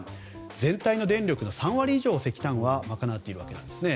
全体の電力の３割以上を石炭が賄っているんですね。